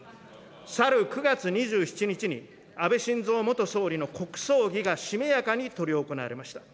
去る９月２７日に安倍晋三元総理の国葬儀がしめやかに執り行われました。